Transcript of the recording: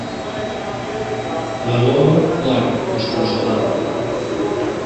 La Lola plora, desconsolada.